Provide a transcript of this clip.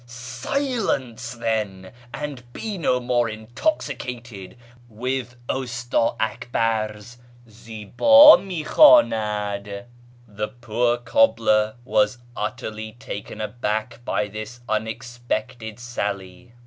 Silence then, beast, and be no more intoxicated wilh Ust;i Akbar's ' Zibd ml kliwdnad !'" The poor cobbler was utterly taken aback by this un expected sally.